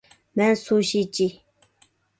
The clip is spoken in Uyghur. مەن سۇشىچى.